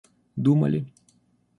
думали